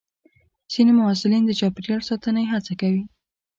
ځینې محصلین د چاپېریال ساتنې هڅه کوي.